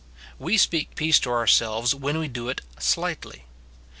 We speak peace to ourselves when we do it slightly.